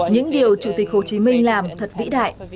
những điều chủ tịch hồ chí minh làm thật vĩ đại